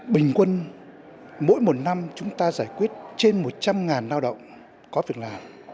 bình quân mỗi một năm chúng ta giải quyết trên một trăm linh lao động có việc làm